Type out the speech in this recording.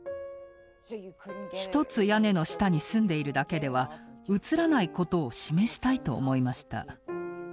一つ屋根の下に住んでいるだけではうつらないことを示したいと思いました。